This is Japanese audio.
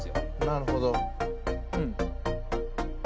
なるほど。